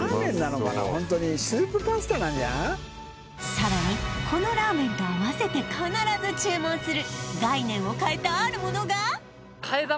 さらにこのラーメンとあわせて必ず注文する